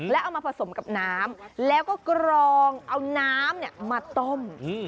แล้วเอามาผสมกับน้ำแล้วก็กรองเอาน้ำมาต้ม